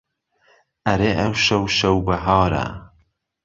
ئەرێ ئەوشەو شەو بەهارە